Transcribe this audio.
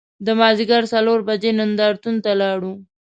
د مازدیګر څلور بجې نندار تون ته لاړو.